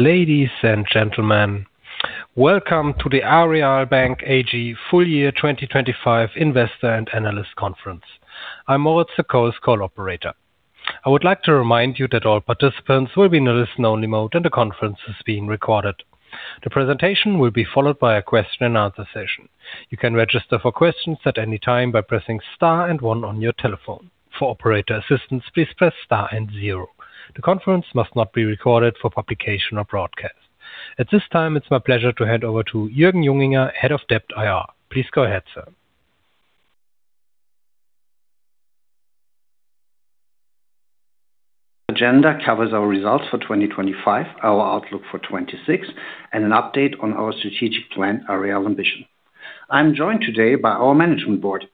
Ladies and gentlemen, welcome to the Aareal Bank AG full year 2025 investor and analyst conference. I'm Moritz, the call's call operator. I would like to remind you that all participants will be in a listen only mode and the conference is being recorded. The presentation will be followed by a question and answer session. You can register for questions at any time by pressing star and one on your telephone. For operator assistance, please press star and zero. The conference must not be recorded for publication or broadcast. At this time, it's my pleasure to hand over to Jürgen Junginger, Head of Investor Relations. Please go ahead, Sir. Agenda covers our results for 2025, our outlook for 2026, and an update on our strategic plan, Aareal Ambition. I'm joined today by our management board,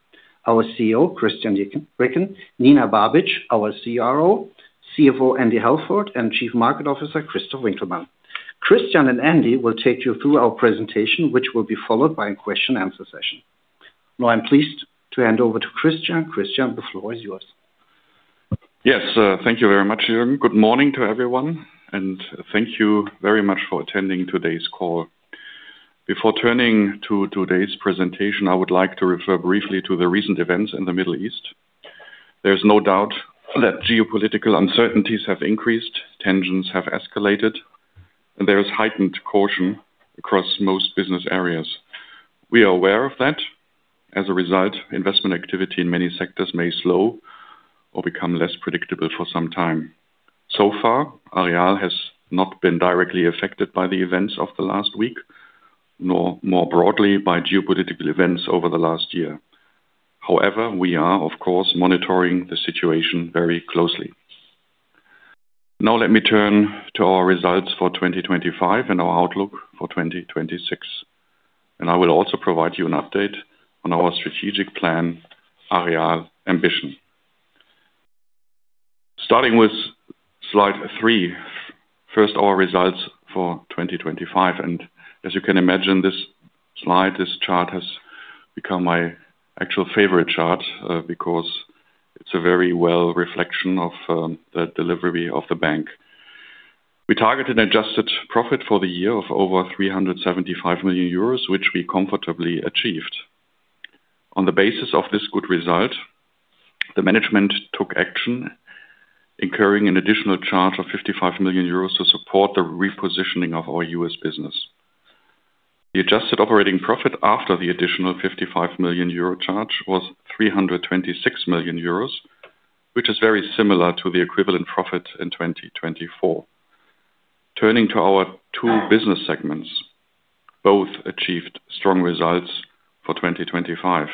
our Chief Executive Officer, Christian Ricken, Nina Babic, our Chief Risk Officer, Chief Financial Officer Andy Halford, and Chief Market Officer, Christof Winkelmann. Christian and Andy will take you through our presentation, which will be followed by a question and answer session. I'm pleased to hand over to Christian. Christian, the floor is yours. Yes. Thank you very much, Jürgen. Good morning to everyone, and thank you very much for attending today's call. Before turning to today's presentation, I would like to refer briefly to the recent events in the Middle East. There's no doubt that geopolitical uncertainties have increased, tensions have escalated, and there is heightened caution across most business areas. We are aware of that. As a result, investment activity in many sectors may slow or become less predictable for some time. So far, Aareal has not been directly affected by the events of the last week, nor more broadly by geopolitical events over the last year. However, we are of course, monitoring the situation very closely. Now let me turn to our results for 2025 and our outlook for 2026. I will also provide you an update on our strategic plan, Aareal Ambition. Starting with slide three. First, our results for 2025. As you can imagine, this slide, this chart, has become my actual favorite chart because it's a very well reflection of the delivery of the bank. We targeted adjusted profit for the year of over 375 million euros, which we comfortably achieved. On the basis of this good result, the management took action, incurring an additional charge of 55 million euros to support the repositioning of our U.S. business. The adjusted operating profit after the additional 55 million euro charge was 326 million euros, which is very similar to the equivalent profit in 2024. Turning to our two business segments, both achieved strong results for 2025.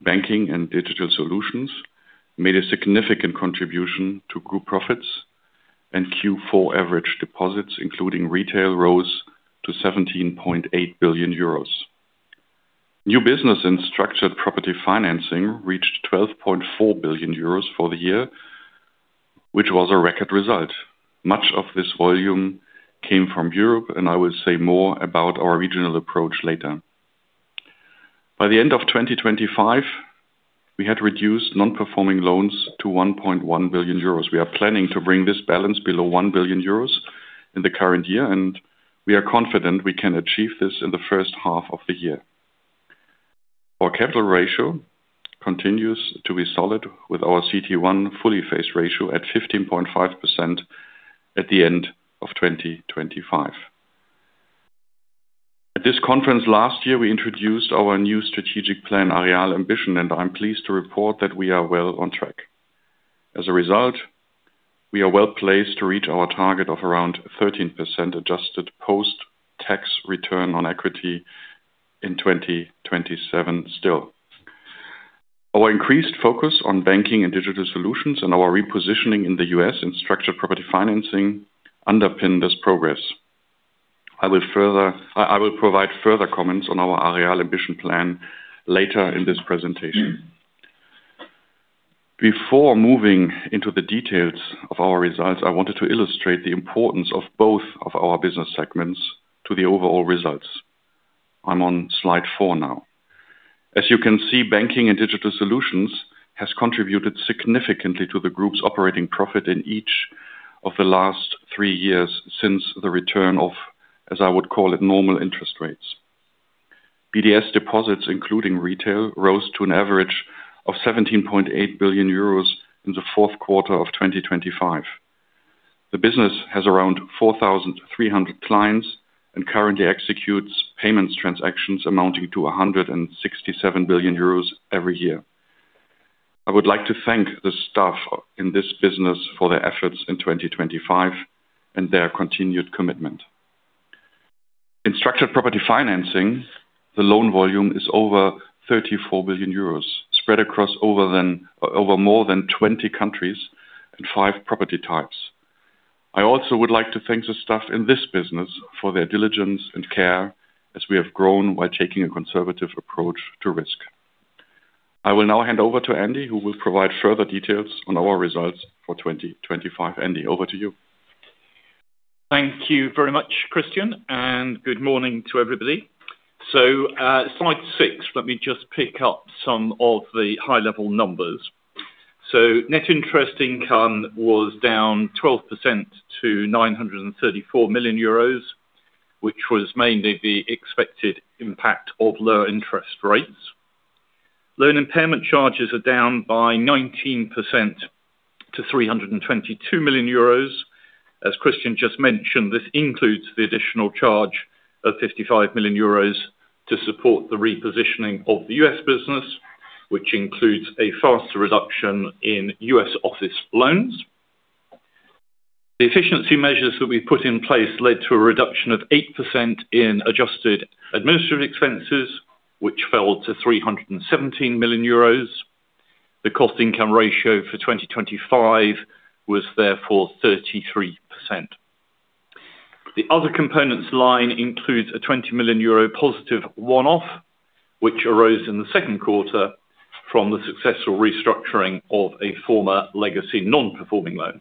Banking & Digital Solutions made a significant contribution to group profits. Q4 average deposits, including retail, rose to 17.8 billion euros. New business and Structured Property Financing reached 12.4 billion euros for the year, which was a record result. Much of this volume came from Europe. I will say more about our regional approach later. By the end of 2025, we had reduced non-performing loans to 1.1 billion euros. We are planning to bring this balance below 1 billion euros in the current year. We are confident we can achieve this in the first half of the year. Our capital ratio continues to be solid with our CET1 fully phased ratio at 15.5% at the end of 2025. At this conference last year, we introduced our new strategic plan, Aareal Ambition. I'm pleased to report that we are well on track. As a result, we are well-placed to reach our target of around 13% adjusted post-tax return on equity in 2027 still. Our increased focus on Banking & Digital Solutions and our repositioning in the U.S. and Structured Property Financing underpin this progress. I will provide further comments on our Aareal Ambition plan later in this presentation. Before moving into the details of our results, I wanted to illustrate the importance of both of our business segments to the overall results. I'm on slide four now. As you can see, Banking & Digital Solutions has contributed significantly to the group's operating profit in each of the last three-years since the return of, as I would call it, normal interest rates. BDS deposits, including retail, rose to an average of 17.8 billion euros in Q4 2025. The business has around 4,300 clients and currently executes payments transactions amounting to 167 billion euros every year. I would like to thank the staff in this business for their efforts in 2025 and their continued commitment. In Structured Property Financing, the loan volume is over 34 billion euros spread across over more than 20 countries and five property types. I also would like to thank the staff in this business for their diligence and care as we have grown by taking a conservative approach to risk. I will now hand over to Andy, who will provide further details on our results for 2025. Andy, over to you. Thank you very much, Christian, and good morning to everybody. slide six, let me just pick up some of the high-level numbers. Net interest income was down 12% to 934 million euros, which was mainly the expected impact of lower interest rates. Loan impairment charges are down by 19% to 322 million euros. As Christian just mentioned, this includes the additional charge of 55 million euros to support the repositioning of the U.S. business, which includes a faster reduction in U.S. office loans. The efficiency measures that we put in place led to a reduction of 8% in adjusted administrative expenses, which fell to 317 million euros. The cost-income ratio for 2025 was therefore 33%. The other components line includes a 20 million euro positive one-off, which arose in the second quarter from the successful restructuring of a former legacy non-performing loan.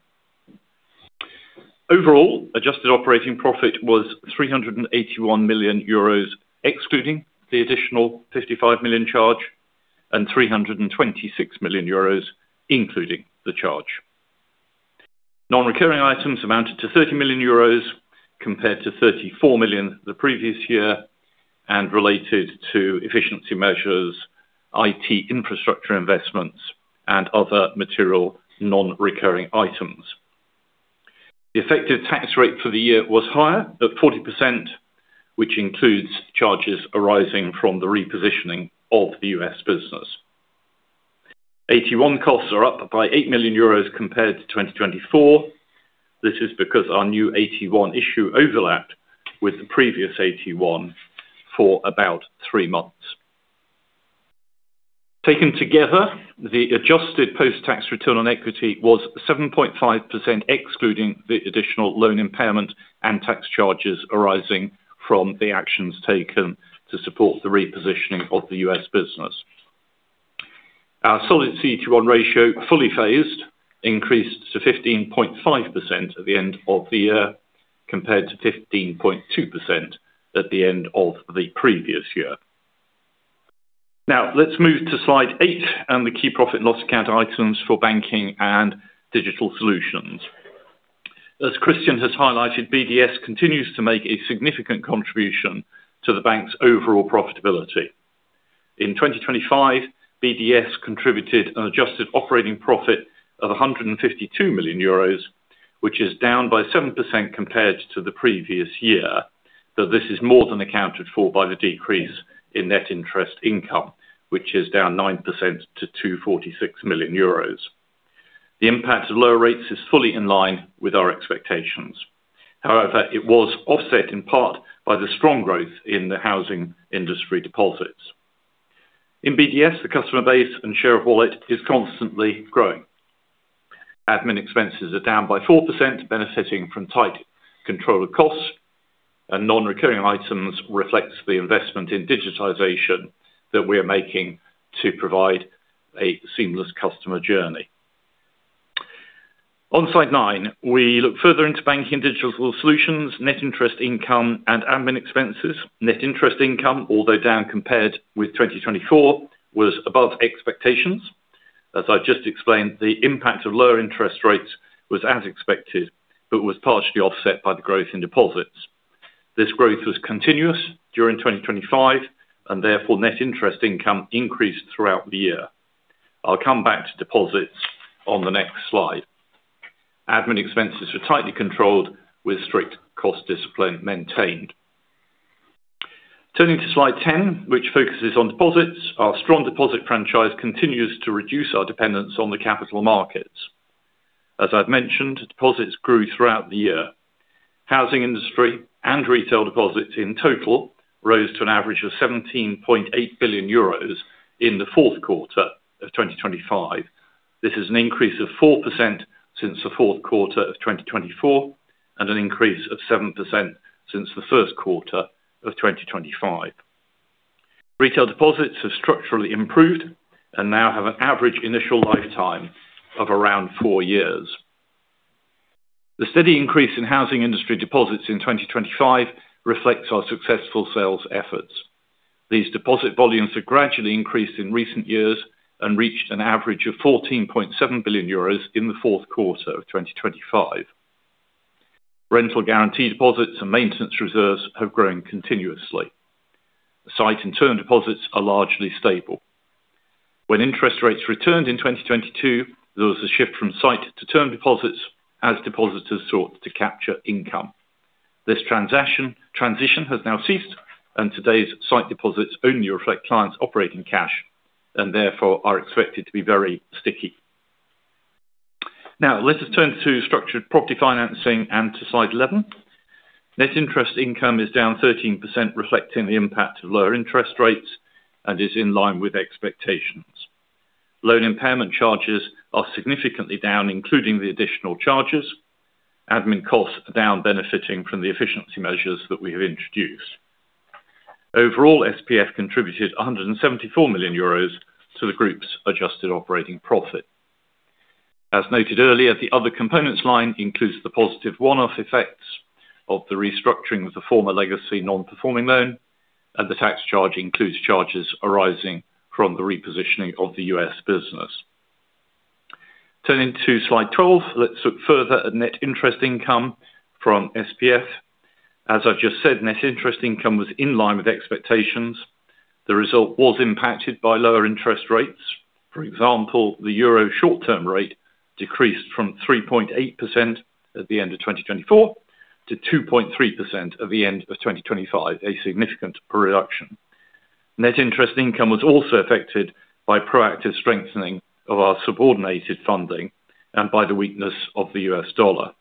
Overall, adjusted operating profit was 381 million euros, excluding the additional 55 million charge and 326 million euros, including the charge. Non-recurring items amounted to 30 million euros compared to 34 million the previous year and related to efficiency measures, IT infrastructure investments and other material non-recurring items. The effective tax rate for the year was higher at 40%, which includes charges arising from the repositioning of the U.S. business. AT1 costs are up by 8 million euros compared to 2024. This is because our new AT1 issue overlapped with the previous AT1 for about three months. Taken together, the adjusted post-tax return on equity was 7.5%, excluding the additional loan impairment and tax charges arising from the actions taken to support the repositioning of the U.S. business. Our solid CET1 ratio fully phased increased to 15.5% at the end of the year, compared to 15.2% at the end of the previous year. Let's move to slide eight and the key profit and loss account items for Banking & Digital Solutions. As Christian has highlighted, BDS continues to make a significant contribution to the bank's overall profitability. In 2025, BDS contributed an adjusted operating profit of 152 million euros, which is down by 7% compared to the previous year. This is more than accounted for by the decrease in net interest income, which is down 9% to 246 million euros. The impact of lower rates is fully in line with our expectations. It was offset in part by the strong growth in the housing industry deposits. In BDS, the customer base and share of wallet is constantly growing. Admin expenses are down by 4%, benefiting from tight control of costs, and non-recurring items reflects the investment in digitization that we are making to provide a seamless customer journey. On slide nine, we look further into Banking & Digital Solutions, net interest income and admin expenses. Net interest income, although down compared with 2024, was above expectations. As I've just explained, the impact of lower interest rates was as expected, but was partially offset by the growth in deposits. This growth was continuous during 2025, and therefore net interest income increased throughout the year. I'll come back to deposits on the next slide. Admin expenses were tightly controlled with strict cost discipline maintained. Turning to slide 10, which focuses on deposits. Our strong deposit franchise continues to reduce our dependence on the capital markets. As I've mentioned, deposits grew throughout the year. Housing industry and retail deposits in total rose to an average of 17.8 billion euros in the fourth quarter of 2025. This is an increase of 4% since the fourth quarter of 2024 and an increase of 7% since the first quarter of 2025. Retail deposits have structurally improved and now have an average initial lifetime of around four-years. The steady increase in housing industry deposits in 2025 reflects our successful sales efforts. These deposit volumes have gradually increased in recent years and reached an average of 14.7 billion euros in the fourth quarter of 2025. Rental guaranteed deposits and maintenance reserves have grown continuously. Site and term deposits are largely stable. When interest rates returned in 2022, there was a shift from site to term deposits as depositors sought to capture income. This transition has now ceased and today's site deposits only reflect clients operating cash and therefore are expected to be very sticky. Let us turn to Structured Property Financing and to slide 11. Net interest income is down 13%, reflecting the impact of lower interest rates and is in line with expectations. Loan impairment charges are significantly down, including the additional charges. Admin costs are down, benefiting from the efficiency measures that we have introduced. Overall, SPF contributed 174 million euros to the Group's adjusted operating profit. As noted earlier, the other components line includes the positive one-off effects of the restructuring of the former legacy non-performing loan, and the tax charge includes charges arising from the repositioning of the U.S. business. Turning to Slide 12, let's look further at net interest income from SPF. As I just said, net interest income was in line with expectations. The result was impacted by lower interest rates. For example, the Euro short-term rate decreased from 3.8% at the end of 2024 to 2.3% at the end of 2025, a significant reduction. Net interest income was also affected by proactive strengthening of our subordinated funding and by the weakness of the U.S. dollar.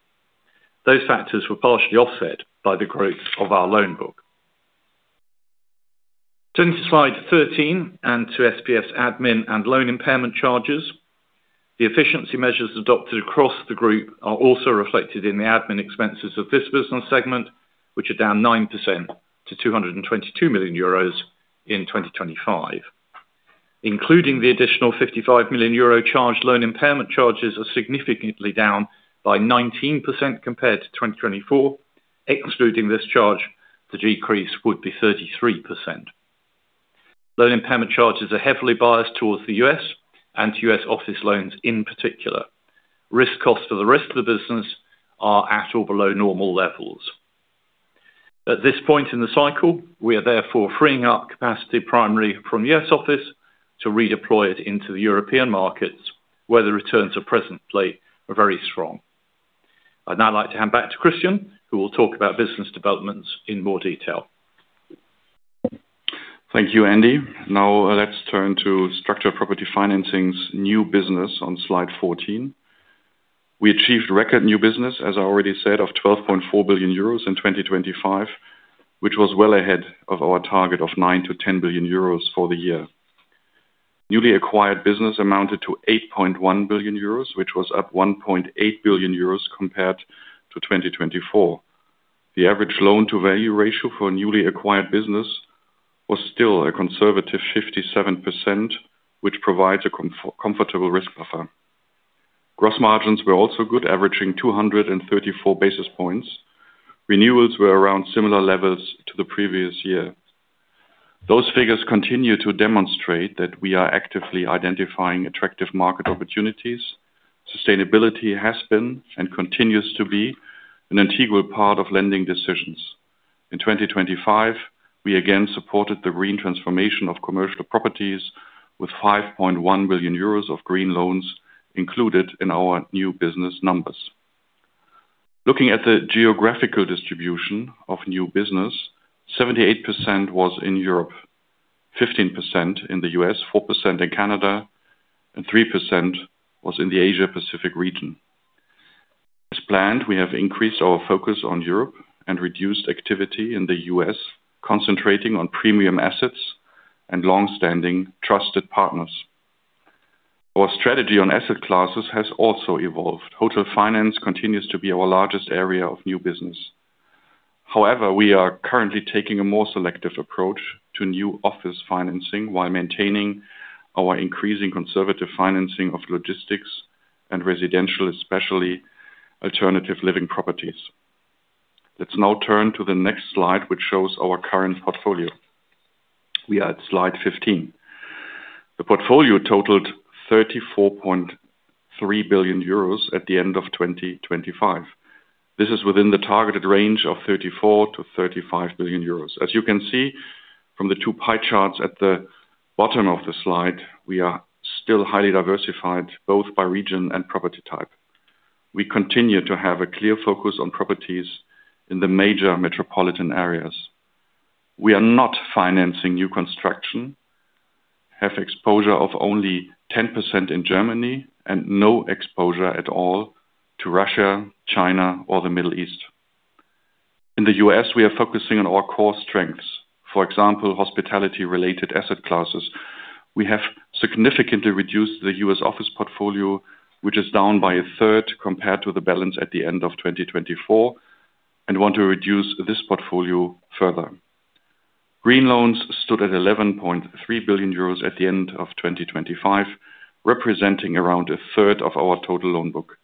Those factors were partially offset by the growth of our loan book. Turning to Slide 13 and to SPF's admin and loan impairment charges. The efficiency measures adopted across the group are also reflected in the admin expenses of this business segment, which are down 9% to 222 million euros in 2025. Including the additional 55 million euro charged loan impairment charges are significantly down by 19% compared to 2024. Excluding this charge, the decrease would be 33%. Loan impairment charges are heavily biased towards the U.S. and U.S. office loans in particular. Risk costs for the rest of the business are at or below normal levels. At this point in the cycle, we are therefore freeing up capacity primarily from U.S. office to redeploy it into the European markets, where the returns are presently very strong. I'd now like to hand back to Christian, who will talk about business developments in more detail. Thank you, Andy. Now let's turn to Structured Property Financing's new business on Slide 14. We achieved record new business, as I already said, of 12.4 billion euros in 2025, which was well ahead of our target of 9 billion-10 billion euros for the year. Newly acquired business amounted to 8.1 billion euros, which was up 1.8 billion euros compared to 2024. The average loan-to-value ratio for newly acquired business was still a conservative 57%, which provides a comfortable risk buffer. Gross margins were also good, averaging 234 basis points. Renewals were around similar levels to the previous year. Those figures continue to demonstrate that we are actively identifying attractive market opportunities. Sustainability has been, and continues to be, an integral part of lending decisions. In 2025, we again supported the green transformation of commercial properties with 5.1 billion euros of green loans included in our new business numbers. Looking at the geographical distribution of new business, 78% was in Europe, 15% in the U.S., 4% in Canada, and 3% was in the Asia-Pacific region. As planned, we have increased our focus on Europe and reduced activity in the U.S., concentrating on premium assets and long-standing trusted partners. Our strategy on asset classes has also evolved. Hotel finance continues to be our largest area of new business. However, we are currently taking a more selective approach to new office financing while maintaining our increasing conservative financing of logistics and residential, especially alternative living properties. Let's now turn to the next slide, which shows our current portfolio. We are at slide 15. The portfolio totaled 34.3 billion euros at the end of 2025. This is within the targeted range of 34 billion-35 billion euros. As you can see from the 2 pie charts at the bottom of the slide, we are still highly diversified both by region and property type. We continue to have a clear focus on properties in the major metropolitan areas. We are not financing new construction, have exposure of only 10% in Germany, and no exposure at all to Russia, China, or the Middle East. In the U.S., we are focusing on our core strengths, for example, hospitality-related asset classes. We have significantly reduced the U.S. office portfolio, which is down by a third compared to the balance at the end of 2024, and want to reduce this portfolio further. Green loans stood at 11.3 billion euros at the end of 2025, representing around a third of our total loan book.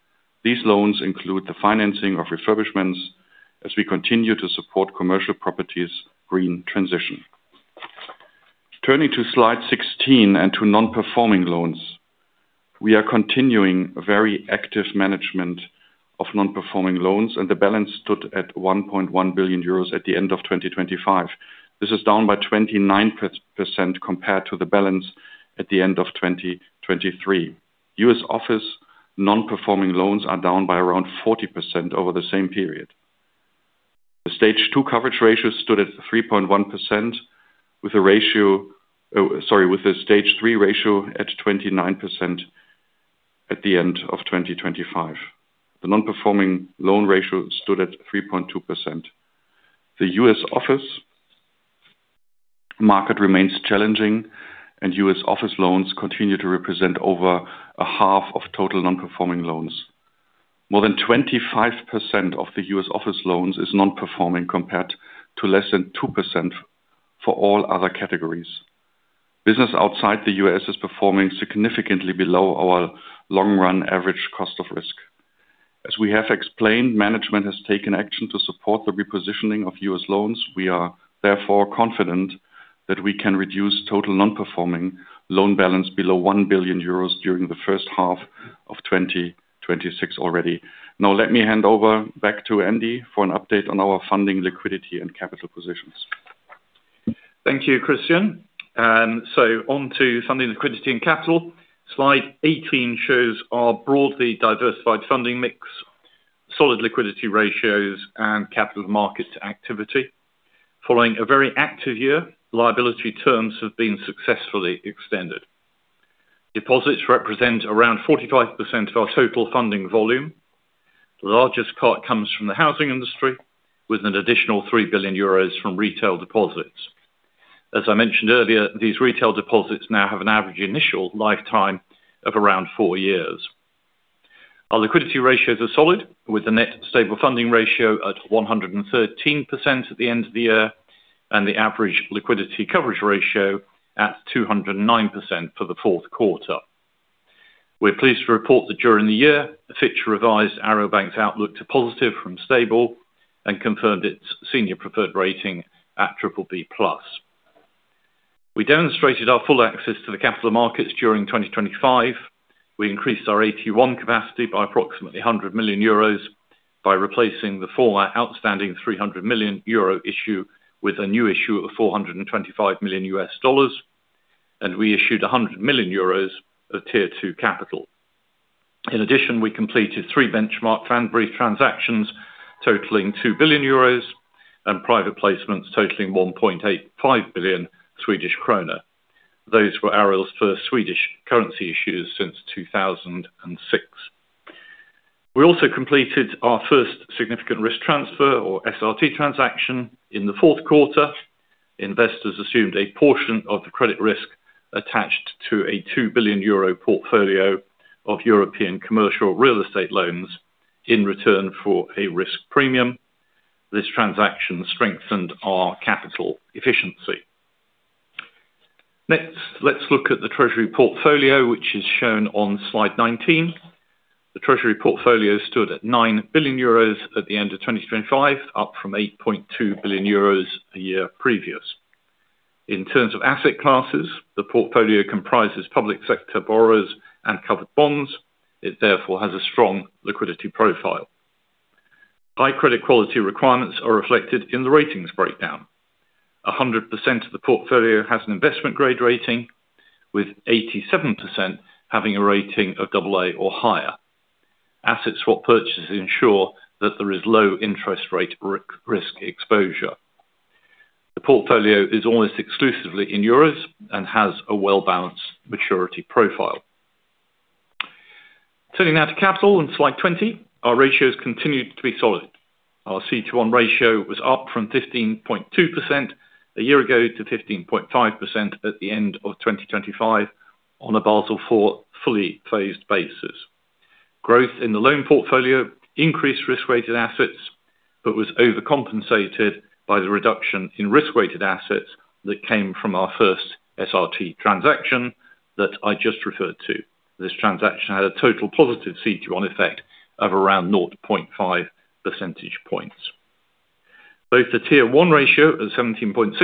These loans include the financing of refurbishments as we continue to support commercial properties green transition. Turning to slide 16 and to non-performing loans. We are continuing very active management of non-performing loans, and the balance stood at 1.1 billion euros at the end of 2025. This is down by 29% compared to the balance at the end of 2023. U.S. office non-performing loans are down by around 40% over the same period. The Stage 2 coverage ratio stood at 3.1% with a Stage 3 ratio at 29% at the end of 2025. The non-performing loan ratio stood at 3.2%. The U.S. Office market remains challenging. U.S. office loans continue to represent over a half of total non-performing loans. More than 25% of the U.S. office loans is non-performing, compared to less than 2% for all other categories. Business outside the U.S. is performing significantly below our long run average cost of risk. As we have explained, management has taken action to support the repositioning of U.S. loans. We are therefore confident that we can reduce total non-performing loan balance below 1 billion euros during the first half of 2026 already. Let me hand over back to Andy for an update on our funding, liquidity, and capital positions. Thank you, Christian. On to funding liquidity and capital. Slide 18 shows our broadly diversified funding mix, solid liquidity ratios and capital markets activity. Following a very active year, liability terms have been successfully extended. Deposits represent around 45% of our total funding volume. The largest cut comes from the housing industry, with an additional 3 billion euros from retail deposits. As I mentioned earlier, these retail deposits now have an average initial lifetime of around four-years. Our liquidity ratios are solid, with the net stable funding ratio at 113% at the end of the year, and the average liquidity coverage ratio at 209% for the fourth quarter. We're pleased to report that during the year, Fitch revised Aareal Bank's outlook to positive from stable and confirmed its senior preferred rating at triple B plus. We demonstrated our full access to the capital markets during 2025. We increased our AT1 capacity by approximately 100 million euros by replacing the former outstanding 300 million euro issue with a new issue of $425 million. We issued 100 million euros of Tier 2 capital. In addition, we completed three benchmark Pfandbrief transactions totaling 2 billion euros and private placements totaling 1.85 billion Swedish krona. Those were ARO's first Swedish currency issues since 2006. We also completed our first significant risk transfer, or SRT transaction, in the fourth quarter. Investors assumed a portion of the credit risk attached to a 2 billion euro portfolio of European commercial real estate loans in return for a risk premium. This transaction strengthened our capital efficiency. Let's look at the Treasury portfolio, which is shown on slide 19. The Treasury portfolio stood at 9 billion euros at the end of 2025, up from 8.2 billion euros the year previous. In terms of asset classes, the portfolio comprises public sector borrowers and covered bonds. It therefore has a strong liquidity profile. High credit quality requirements are reflected in the ratings breakdown. 100% of the portfolio has an investment grade rating, with 87% having a rating of AA or higher. Asset swap purchases ensure that there is low interest rate risk exposure. The portfolio is almost exclusively in euros and has a well-balanced maturity profile. Turning now to capital on slide 20, our ratios continued to be solid. Our CET1 ratio was up from 15.2% a year ago to 15.5% at the end of 2025 on a Basel IV fully phased basis. Growth in the loan portfolio increased risk-weighted assets, but was overcompensated by the reduction in risk-weighted assets that came from our first SRT transaction that I just referred to. This transaction had a total positive CET1 effect of around 0.5 percentage points. Both the Tier 1 ratio at 17.6%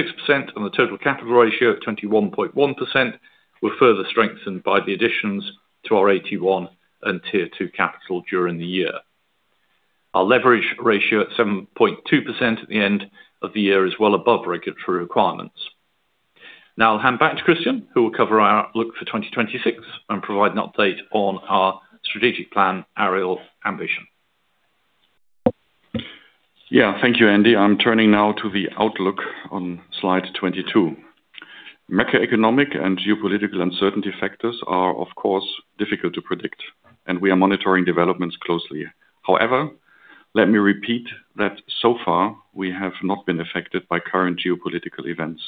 and the total capital ratio of 21.1% were further strengthened by the additions to our AT1 and Tier 2 capital during the year. Our leverage ratio at 7.2% at the end of the year is well above regulatory requirements. Now I'll hand back to Christian, who will cover our outlook for 2026 and provide an update on our strategic plan, Aareal Ambition. Thank you, Andy. I'm turning now to the outlook on slide 22. Macroeconomic and geopolitical uncertainty factors are, of course, difficult to predict, and we are monitoring developments closely. However, let me repeat that so far we have not been affected by current geopolitical events.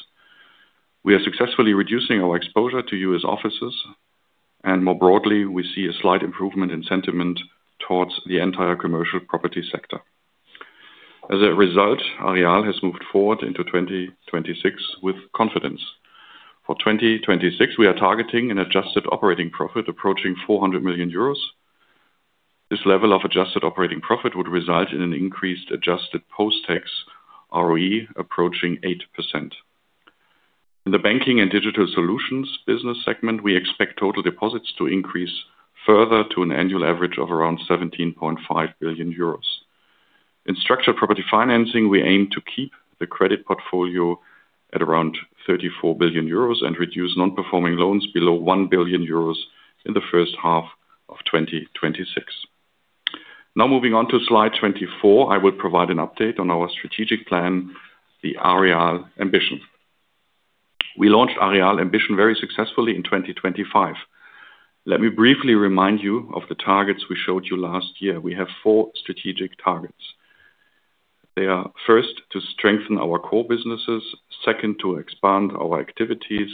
We are successfully reducing our exposure to U.S. offices, and more broadly, we see a slight improvement in sentiment towards the entire commercial property sector. As a result, Aareal has moved forward into 2026 with confidence. For 2026, we are targeting an adjusted operating profit approaching 400 million euros. This level of adjusted operating profit would result in an increased adjusted post-tax ROE approaching 8%. In the Banking & Digital Solutions business segment, we expect total deposits to increase further to an annual average of around 17.5 billion euros. In Structured Property Financing, we aim to keep the credit portfolio at around 34 billion euros and reduce non-performing loans below 1 billion euros in the first half of 2026. Moving on to slide 24, I will provide an update on our strategic plan, the Aareal Ambition. We launched Aareal Ambition very successfully in 2025. Let me briefly remind you of the targets we showed you last year. We have four strategic targets. They are, first, to strengthen our core businesses. Second, to expand our activities.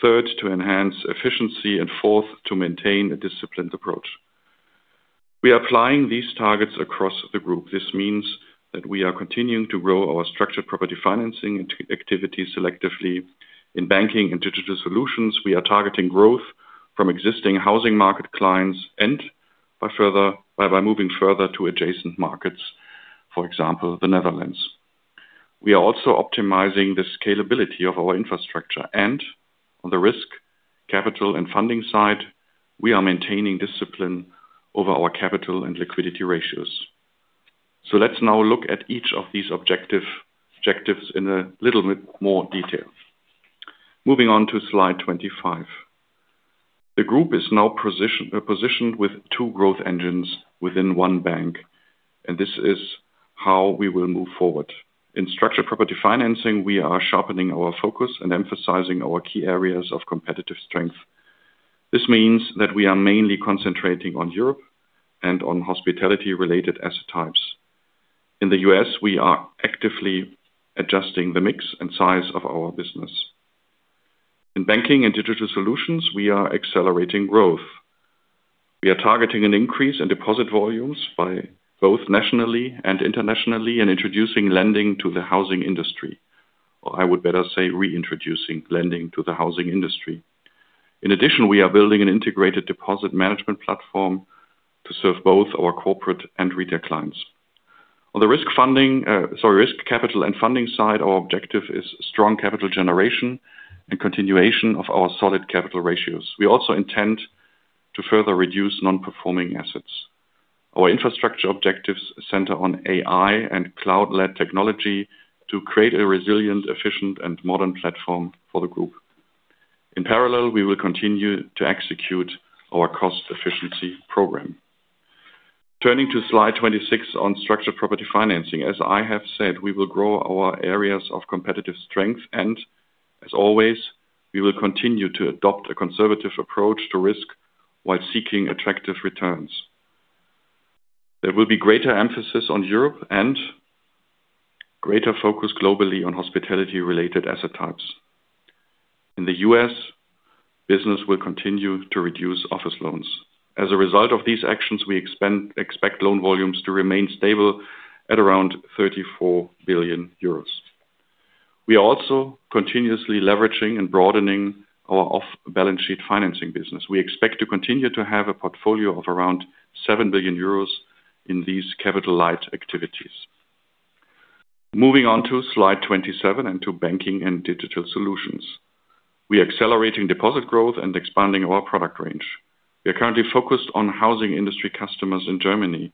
Third, to enhance efficiency. Fourth, to maintain a disciplined approach. We are applying these targets across the group. This means that we are continuing to grow our Structured Property Financing and activities selectively. In Banking & Digital Solutions, we are targeting growth from existing housing market clients and by moving further to adjacent markets, for example, the Netherlands. We are also optimizing the scalability of our infrastructure and on the risk, capital and funding side, we are maintaining discipline over our capital and liquidity ratios. Let's now look at each of these objectives in a little bit more detail. Moving on to slide 25. The group is now positioned with two growth engines within one bank, and this is how we will move forward. In Structured Property Financing, we are sharpening our focus and emphasizing our key areas of competitive strength. This means that we are mainly concentrating on Europe and on hospitality-related asset types. In the U.S., we are actively adjusting the mix and size of our business. In Banking & Digital Solutions, we are accelerating growth. We are targeting an increase in deposit volumes by both nationally and internationally, and introducing lending to the housing industry. I would better say reintroducing lending to the housing industry. In addition, we are building an integrated deposit management platform to serve both our corporate and retail clients. On the risk capital and funding side, our objective is strong capital generation and continuation of our solid capital ratios. We also intend to further reduce non-performing assets. Our infrastructure objectives center on AI and cloud-led technology to create a resilient, efficient and modern platform for the group. In parallel, we will continue to execute our cost efficiency program. Turning to slide 26 on Structured Property Financing. As I have said, we will grow our areas of competitive strength, and as always, we will continue to adopt a conservative approach to risk while seeking attractive returns. There will be greater emphasis on Europe and greater focus globally on hospitality-related asset types. In the U.S., business will continue to reduce office loans. As a result of these actions, we expect loan volumes to remain stable at around 34 billion euros. We are also continuously leveraging and broadening our off-balance sheet financing business. We expect to continue to have a portfolio of around 7 billion euros in these capital light activities. Moving on to slide 27 into Banking & Digital Solutions. We are accelerating deposit growth and expanding our product range. We are currently focused on housing industry customers in Germany.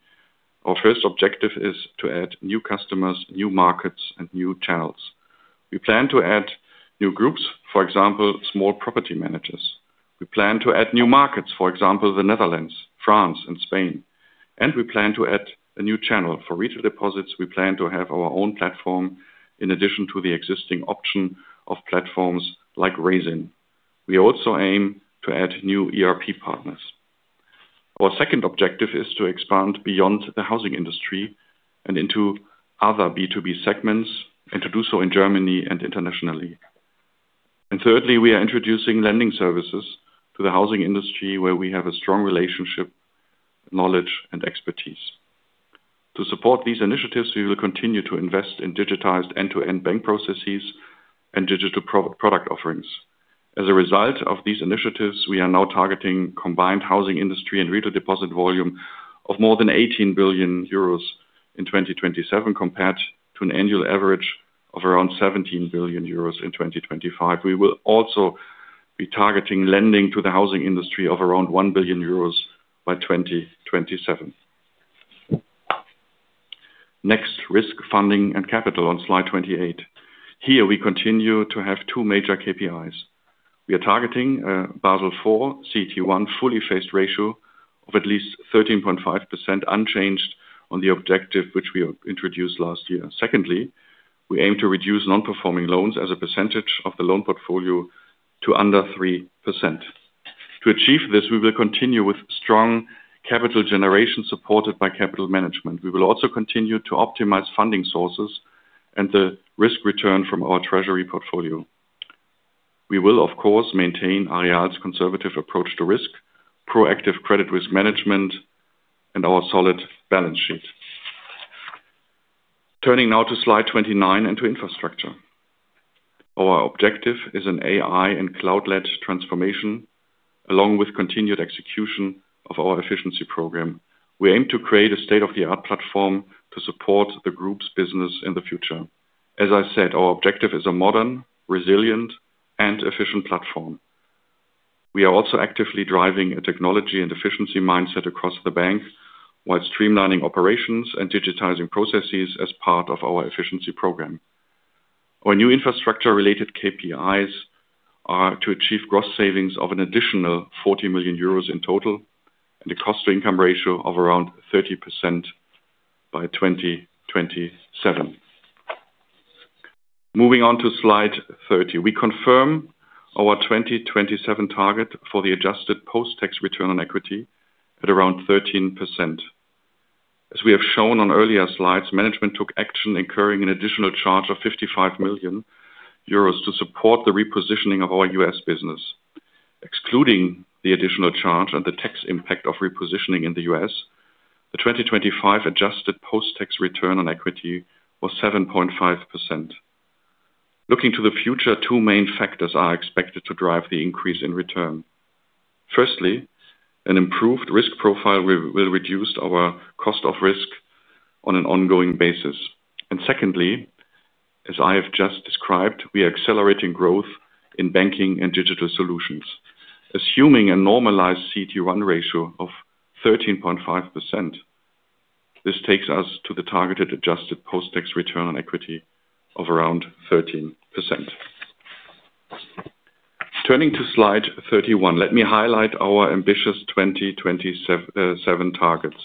Our first objective is to add new customers, new markets, and new channels. We plan to add new groups, for example, small property managers. We plan to add new markets, for example, the Netherlands, France and Spain. We plan to add a new channel. For retail deposits, we plan to have our own platform in addition to the existing option of platforms like Raisin. We also aim to add new ERP partners. Our second objective is to expand beyond the housing industry and into other B2B segments, to do so in Germany and internationally. Thirdly, we are introducing lending services to the housing industry where we have a strong relationship, knowledge and expertise. To support these initiatives, we will continue to invest in digitized end-to-end bank processes and digital pro-product offerings. As a result of these initiatives, we are now targeting combined housing industry and retail deposit volume of more than 18 billion euros in 2027, compared to an annual average of around 17 billion euros in 2025. We will also be targeting lending to the housing industry of around 1 billion euros by 2027. Risk funding and capital on slide 28. Here we continue to have two major KPIs. We are targeting a Basel IV CET1 fully faced ratio of at least 13.5%, unchanged on the objective which we introduced last year. We aim to reduce non-performing loans as a percentage of the loan portfolio to under 3%. To achieve this, we will continue with strong capital generation supported by capital management. We will also continue to optimize funding sources and the risk return from our treasury portfolio. We will, of course, maintain Aareal's conservative approach to risk, proactive credit risk management and our solid balance sheet. Turning now to slide 29 into infrastructure. Our objective is an AI and cloud-led transformation, along with continued execution of our efficiency program. We aim to create a state-of-the-art platform to support the group's business in the future. As I said, our objective is a modern, resilient and efficient platform. We are also actively driving a technology and efficiency mindset across the bank while streamlining operations and digitizing processes as part of our efficiency program. Our new infrastructure-related KPIs are to achieve gross savings of an additional 40 million euros in total and a cost-income ratio of around 30% by 2027. Moving on to slide 30. We confirm our 2027 target for the adjusted post-tax return on equity at around 13%. As we have shown on earlier slides, management took action incurring an additional charge of 55 million euros to support the repositioning of our U.S. business. Excluding the additional charge and the tax impact of repositioning in the U.S., the 2025 adjusted post-tax return on equity was 7.5%. Looking to the future, two main factors are expected to drive the increase in return. Firstly, an improved risk profile will reduce our cost of risk on an ongoing basis. Secondly, as I have just described, we are accelerating growth in Banking & Digital Solutions. Assuming a normalized CET1 ratio of 13.5%, this takes us to the targeted adjusted post-tax return on equity of around 13%. Turning to slide 31, let me highlight our ambitious 2027 targets.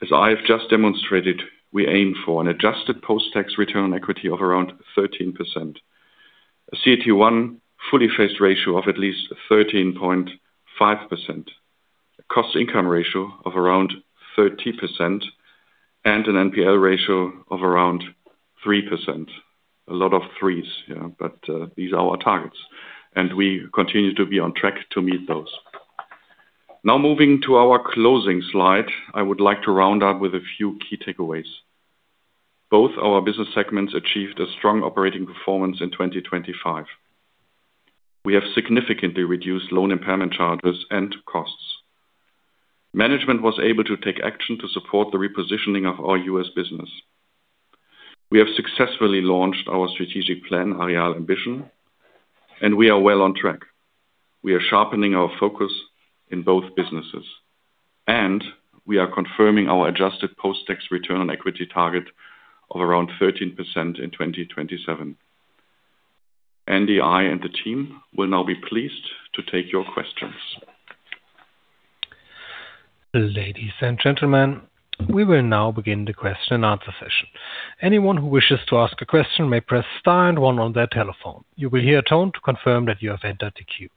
As I have just demonstrated, we aim for an adjusted post-tax return on equity of around 13%. A CET1 fully phased ratio of at least 13.5%. cost-income ratio of around 30% and an NPL ratio of around 3%. A lot of threes, yeah, but these are our targets, and we continue to be on track to meet those. Moving to our closing slide, I would like to round up with a few key takeaways. Both our business segments achieved a strong operating performance in 2025. We have significantly reduced loan impairment charges and costs. Management was able to take action to support the repositioning of our U.S. business. We have successfully launched our strategic plan, Aareal Ambition, and we are well on track. We are sharpening our focus in both businesses, and we are confirming our adjusted post-tax return on equity target of around 13% in 2027. Andy, I and the team will now be pleased to take your questions. Ladies and gentlemen, we will now begin the question and answer session. Anyone who wishes to ask a question may press star one on their telephone. You will hear a tone to confirm that you have entered the queue.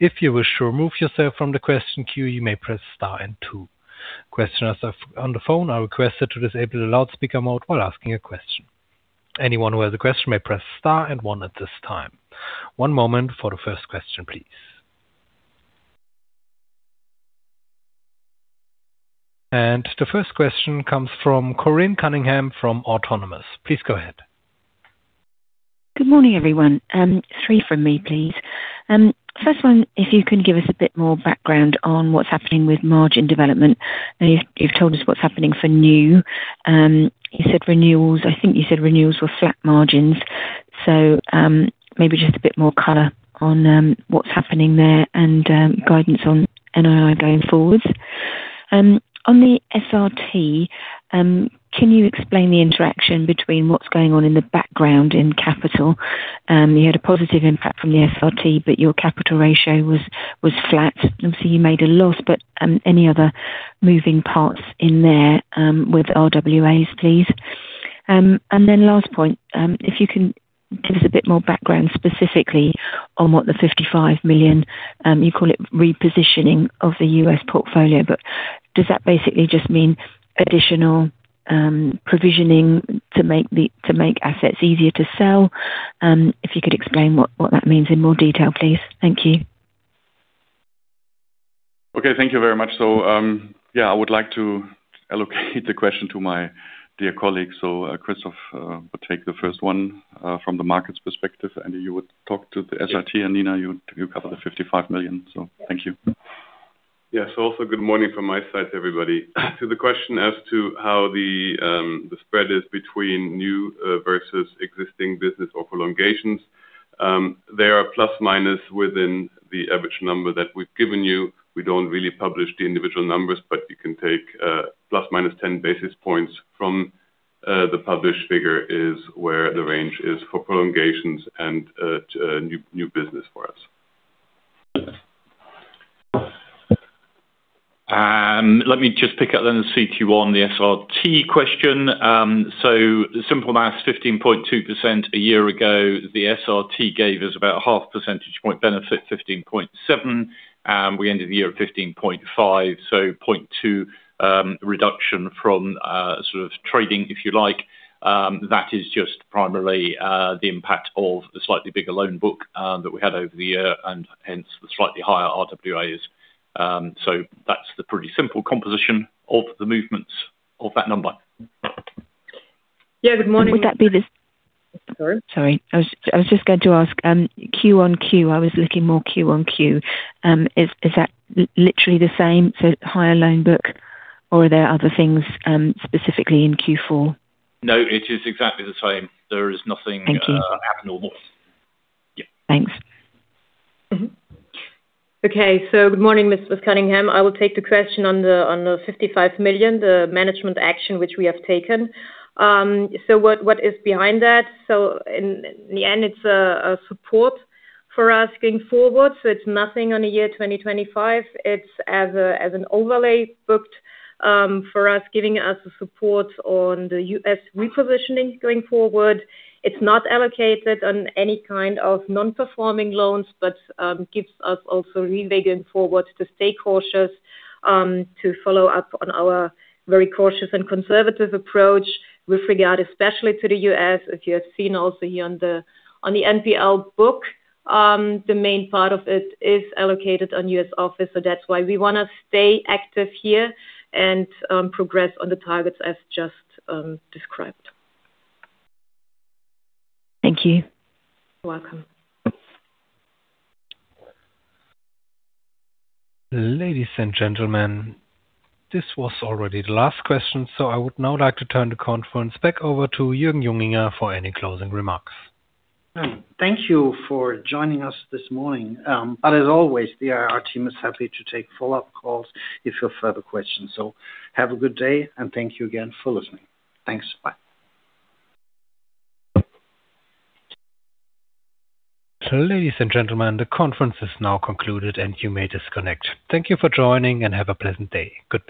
If you wish to remove yourself from the question queue, you may press star two. Questioners on the phone are requested to disable the loudspeaker mode while asking a question. Anyone who has a question may press star one at this time. One moment for the first question, please. The first question comes from Corinne Cunningham from Autonomous. Please go ahead. Good morning, everyone. Three from me, please. First one, if you can give us a bit more background on what's happening with margin development. Now you've told us what's happening for new, you said renewals. I think you said renewals were flat margins. Maybe just a bit more color on what's happening there and guidance on NII going forward. On the SRT, can you explain the interaction between what's going on in the background in capital? You had a positive impact from the SRT, but your capital ratio was flat. Obviously, you made a loss, but any other moving parts in there with RWAs, please. Last point, if you can give us a bit more background specifically on what the $55 million, you call it repositioning of the U.S. portfolio, but does that basically just mean additional provisioning to make assets easier to sell? If you could explain what that means in more detail, please. Thank you. Okay. Thank you very much. Yeah, I would like to allocate the question to my dear colleagues. Christof, will take the first one, from the markets perspective, Andy you would talk to the SRT and Nina you cover the 55 million. Thank you. Yes. Also, good morning from my side to everybody. To the question as to how the spread is between new versus existing business or prolongations, there are ± within the average number that we've given you. We don't really publish the individual numbers, but you can take ±10 basis points from the published figure is where the range is for prolongations and new business for us. Let me just pick up the CET1, the SRT question. Simple math, 15.2% a year ago, the SRT gave us about a 0.5 percentage point benefit, 15.7. We ended the year at 15.5, 0.2 reduction from sort of trading, if you like. That is just primarily the impact of the slightly bigger loan book that we had over the year and hence the slightly higher RWAs. That's the pretty simple composition of the movements of that number. Yeah. Good morning. Would that be? Sorry. I was just going to ask, Q on Q. I was looking more Q on Q. Is that literally the same? Higher loan book or are there other things, specifically in Q4? No, it is exactly the same. There is nothing. Thank you. Abnormal. Yeah. Thanks. Okay. Good morning, Ms. Cunningham. I will take the question on the 55 million, the management action which we have taken. What is behind that? In the end, it's a support for us going forward. It's nothing on the year 2025. It's as an overlay booked for us, giving us the support on the U.S. repositioning going forward. It's not allocated on any kind of non-performing loans, but gives us also really going forward to stay cautious to follow up on our very cautious and conservative approach with regard especially to the U.S. If you have seen also here on the NPL book, the main part of it is allocated on U.S. office. That's why we wanna stay active here and progress on the targets as just described. Thank you. You're welcome. Ladies and gentlemen, this was already the last question. I would now like to turn the conference back over to Jürgen Junginger for any closing remarks. Thank you for joining us this morning. As always, the Investor Relations team is happy to take follow-up calls if you have further questions. Have a good day, and thank you again for listening. Thanks. Bye. Ladies and gentlemen, the conference is now concluded. You may disconnect. Thank you for joining. Have a pleasant day. Goodbye.